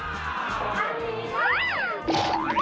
แต่